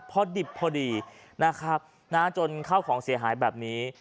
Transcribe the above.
พอดิบพอดีนะครับจนเข้าของเสียหายแบบนี้